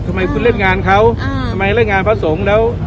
ทำไมคุณเล่นงานเขาทำไมเล่นงานพระสงฆ์แล้ว